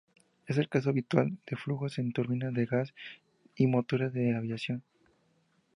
Es el caso habitual de flujos en turbinas de gas y motores de aviación.